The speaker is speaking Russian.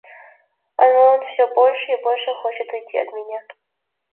А он всё больше и больше хочет уйти от меня.